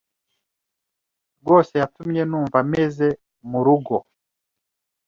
rwose yatumye numva meze murugo.